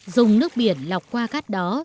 dùng nước biển lọc qua cát đó